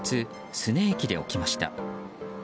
スネ駅で起きました。